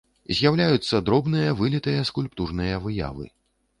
З'яўляюцца дробныя вылітыя скульптурныя выявы.